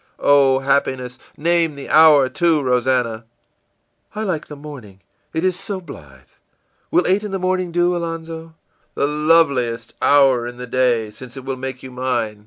î ìOh, happiness! Name the hour, too, Rosannah.î ìI like the morning, it is so blithe. Will eight in the morning do, Alonzo?î ìThe loveliest hour in the day since it will make you mine.